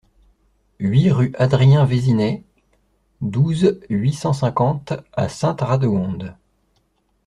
huit rue Adrien Vézinhet, douze, huit cent cinquante à Sainte-Radegonde